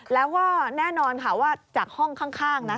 แล้วก็แน่นอนค่ะว่าจากห้องข้างนะ